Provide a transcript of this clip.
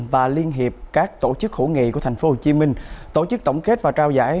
và liên hiệp các tổ chức khổ nghệ của tp hcm tổ chức tổng kết và trao giải